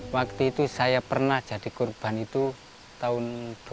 waktu itu saya pernah jadi korban itu tahun dua ribu